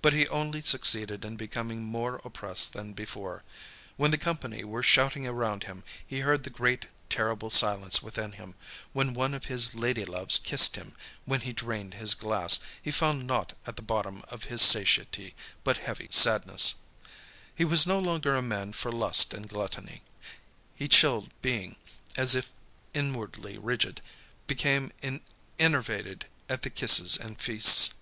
But he only succeeded in becoming more oppressed than before. When the company were shouting around him, he heard the great, terrible silence within him; when one of his ladyloves kissed him, when he drained his glass, he found naught at the bottom of his satiety, but heavy sadness. He was no longer a man for lust and gluttony. His chilled being, as if inwardly rigid, became enervated at the kisses and feasts.